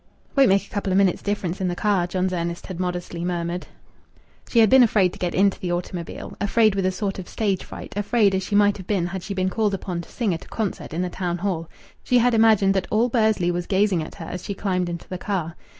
"Won't make a couple of minutes' difference in the car," John's Ernest had modestly murmured. She had been afraid to get into the automobile afraid with a sort of stage fright; afraid, as she might have been had she been called upon to sing at a concert in the Town Hall. She had imagined that all Bursley was gazing at her as she climbed into the car.